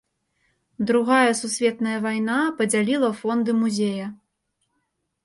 Другая сусветная вайна падзяліла фонды музея.